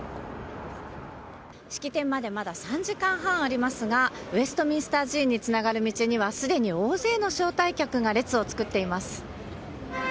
式典までまだ３時間半ありますが、ウェストミンスター寺院につながる道には、すでに大勢の招待客が列を作っています。